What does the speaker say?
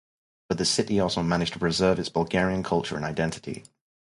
But the city also managed to preserve its Bulgarian culture and identity.